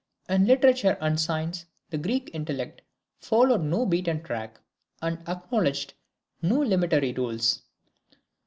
In literature and science the Greek intellect followed no beaten track, and acknowledged no limitary rules.